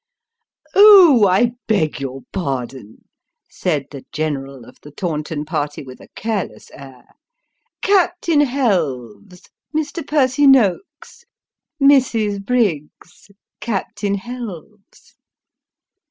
" Oh ! I beg your pardon," said the general of the Taunton party, with a careless air. " Captain Helves Mr. Percy Noakes Mrs. Briggs Captain Helves."